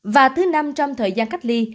và thứ năm trong thời gian cách ly